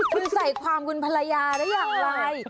คุณใส่ความคุณภรรยาได้อย่างไร